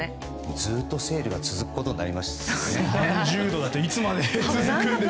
ずっとセールが続くことになりますよね。